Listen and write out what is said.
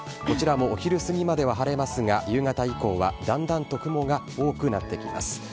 こちらもお昼過ぎまでは晴れますが、夕方以降はだんだんと雲が多くなってきます。